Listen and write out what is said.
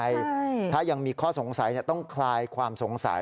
ใช่ถ้ายังมีข้อสงสัยต้องคลายความสงสัย